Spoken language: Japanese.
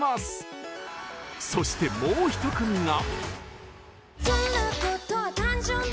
そしてもう一組が。